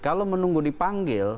kalau menunggu dipanggil